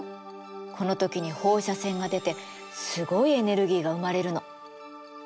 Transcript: この時に放射線が出てすごいエネルギーが生まれるの。